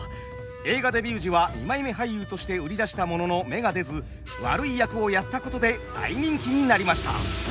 映画デビュー時は二枚目俳優として売り出したものの芽が出ず悪い役をやったことで大人気になりました。